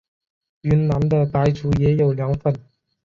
云南的白族也有凉粉。